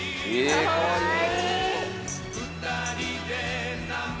かわいい。